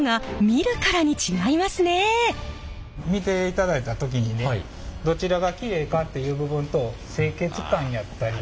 見ていただいた時にねどちらがきれいかっていう部分と清潔感やったり。